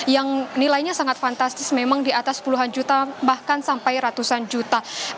yang nilainya sangat fantastis memang di atas puluhan juta bahkan sampai ratusan juta